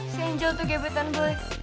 si angel tuh gebetan boy